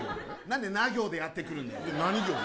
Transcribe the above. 何でナ行でやってくるんだよじゃ